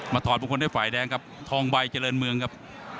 ถอดบุคคลด้วยฝ่ายแดงครับทองใบเจริญเมืองครับ